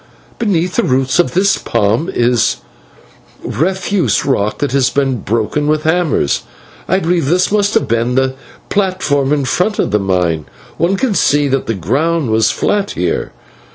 Beneath the roots of this palm is refuse rock that has been broken with hammers. I believe that this must have been the platform in front of the mine. One can see that the ground was flat here."